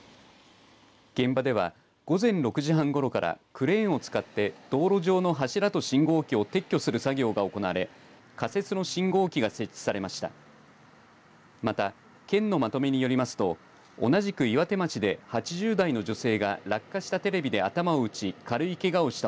現場では、午前６時半ごろからクレーンを使って道路上の柱と信号機を撤去する作業が行われ仮設の信号機が設置されました。